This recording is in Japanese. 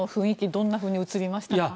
どのように映りましたか？